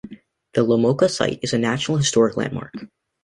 The Lamoka Site is a National Historic Landmark.